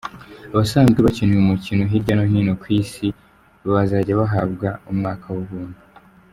Abasanzwe bakina uyu mukino hirya no hino ku Isi, bazajya bahabwa umwaka w’ubuntu.